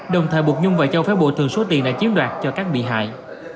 đồng thời buộc nhung và châu phải bộ thường số tiền đã chiếm đoạt cho các bị hại